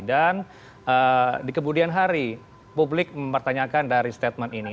dan di kemudian hari publik mempertanyakan dari statement ini